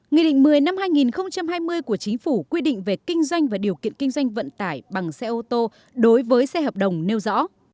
nghị định một mươi năm hai nghìn hai mươi của chính phủ quy định về kinh doanh và điều kiện kinh doanh vận tải bằng xe ô tô đối với xe hợp đồng nêu rõ